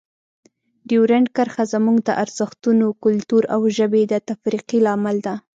ډیورنډ کرښه زموږ د ارزښتونو، کلتور او ژبې د تفرقې لامل ده.